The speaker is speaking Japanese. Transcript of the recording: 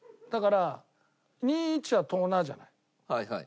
だから２１は「とな」じゃない？